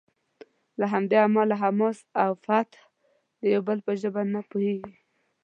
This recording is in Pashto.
له همدې امله حماس او فتح د یو بل په ژبه نه پوهیږي.